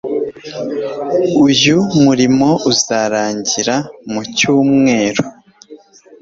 Uyu murimo uzarangira mucyumweru.